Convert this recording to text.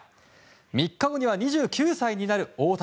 ３日後には２９歳になる大谷。